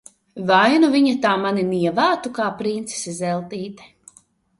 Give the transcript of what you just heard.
Vai nu viņa tā mani nievātu, kā princese Zeltīte!